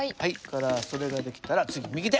それができたら次右手！